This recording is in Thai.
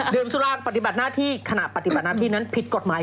สุรางปฏิบัติหน้าที่ขณะปฏิบัติหน้าที่นั้นผิดกฎหมาย